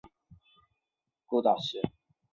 行政区划属于冲绳县宫古岛市。